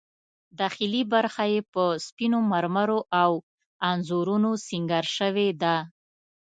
داخلي برخه یې په سپینو مرمرو او انځورونو سینګار شوې ده.